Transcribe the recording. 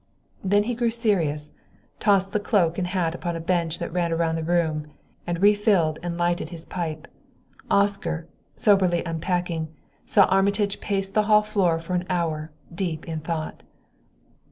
'" Then he grew serious, tossed the cloak and hat upon a bench that ran round the room, and refilled and lighted his pipe. Oscar, soberly unpacking, saw Armitage pace the hall floor for an hour, deep in thought.